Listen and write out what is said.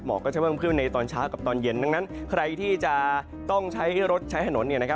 ก็จะเพิ่มขึ้นในตอนเช้ากับตอนเย็นดังนั้นใครที่จะต้องใช้รถใช้ถนน